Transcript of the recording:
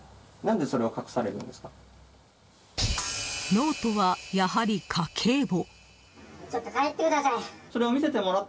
ノートは、やはり家計簿。